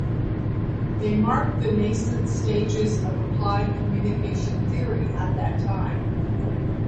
They marked the nascent stages of applied communication theory at that time.